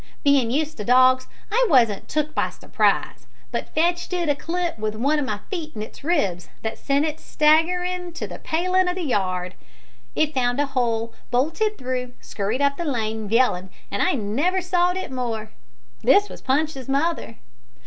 Bein' used to dogs, I wasn't took by surprise, but fetched it a clip with one o' my feet in its ribs that sent it staggerin' to the palin' o' the yard. It found a hole, bolted through, scurried up the lane yellin', and I never saw'd it more! This was Punch's mother.